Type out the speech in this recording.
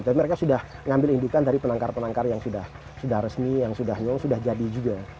tapi mereka sudah mengambil indukan dari penangkar penangkar yang sudah resmi yang sudah nyong sudah jadi juga